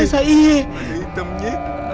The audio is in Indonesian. ada yang hitamnya